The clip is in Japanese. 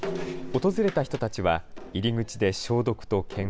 訪れた人たちは、入り口で消毒と検温。